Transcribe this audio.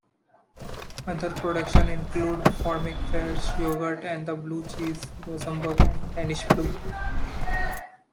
Other products include fromage frais, yoghurts and the blue cheeses Rosenborg and Danish Blue.